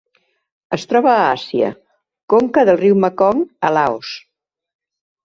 Es troba a Àsia: conca del riu Mekong a Laos.